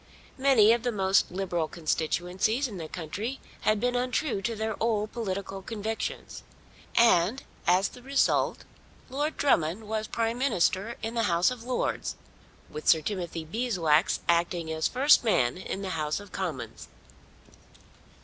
Many of the most Liberal constituencies in the country had been untrue to their old political convictions. And, as the result, Lord Drummond was Prime Minister in the House of Lords, with Sir Timothy Beeswax acting as first man in the House of Commons.